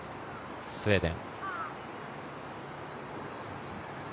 スウェーデン。